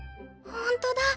ほんとだ。